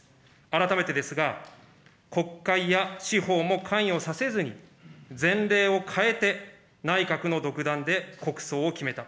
改めてですが、国会や司法も関与させずに、前例を変えて内閣の独断で国葬を決めた。